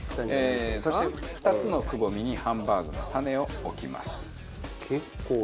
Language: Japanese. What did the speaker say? そして２つのくぼみにハンバーグのタネを置きます。